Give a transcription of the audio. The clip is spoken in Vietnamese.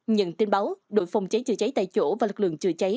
nhận tin báo đội phòng cháy chữa cháy tại chỗ và lực lượng chữa cháy